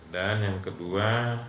dan yang kedua